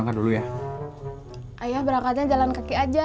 bangun dulu ya ayah berangkatnya jalan kaki aja ya